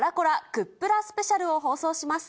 グップラスペシャルを放送します。